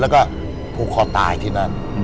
แล้วก็ผูกคอตายที่นั่น